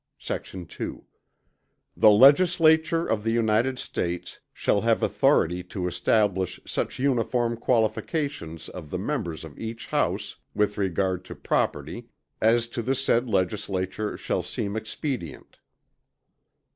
Sect. 2. The Legislature of the United States shall have authority to establish such uniform qualifications of the members of each House, with regard to property, as to the said Legislature shall seem expedient.